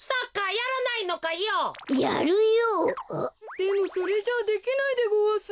でもそれじゃあできないでごわす。